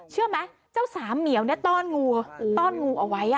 เชื่อไหมเจ้าสามเหมียวต้อนงูต้อนงูเอาไว้